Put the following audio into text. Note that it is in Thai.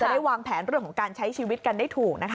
ได้วางแผนเรื่องของการใช้ชีวิตกันได้ถูกนะคะ